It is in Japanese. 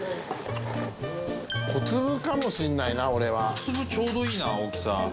小粒ちょうどいいな、大きさ。